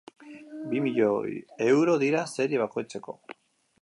Bi milioi euro dira serie bakoitzeko.